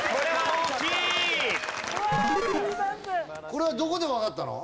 これはどこでわかったの？